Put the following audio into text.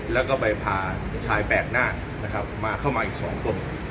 แล้วก็ไปพาชายแบกหน้ามาเข้ามาอีกสองคน